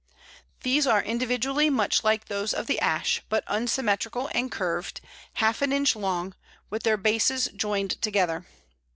These are individually much like those of the Ash, but unsymmetrical and curved, half an inch long, with their bases joined together.